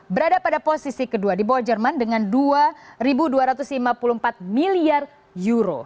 berada pada posisi kedua di bawah jerman dengan dua dua ratus lima puluh empat miliar euro